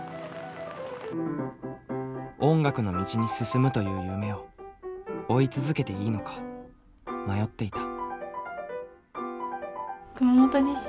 「音楽の道に進む」という夢を追い続けていいのか迷っていた。